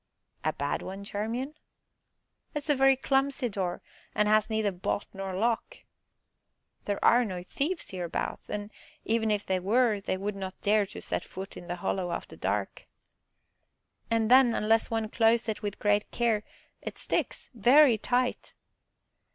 "A bad one, Charmian?" "It is a very clumsy door, and has neither bolt nor lock." "There are no thieves hereabouts, and, even if there were, they would not dare to set foot in the Hollow after dark." "And then, unless one close it with great care, it sticks very tight!"